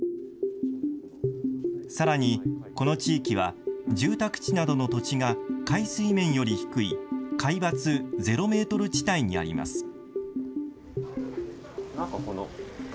さらにこの地域は住宅地などの土地が海水面より低い海抜ゼロメートル地帯にあります。